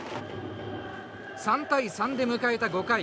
３対３で迎えた５回。